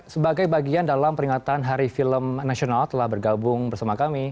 sebagai bagian dalam peringatan hari film nasional telah bergabung bersama kami